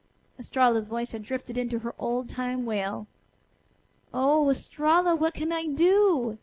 Estralla's voice had drifted into her old time wail. "Oh, Estralla! What can I do?"